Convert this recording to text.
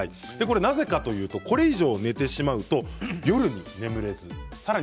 なぜかというとこれ以上寝てしまうと夜に眠れずさらに